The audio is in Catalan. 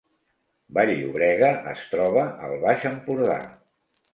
Vall-llobrega es troba al Baix Empordà